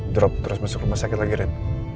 drop terus masuk rumah sakit lagi red